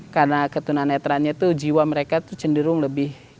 karena ketunan netralnya itu jiwa mereka itu cenderung lebih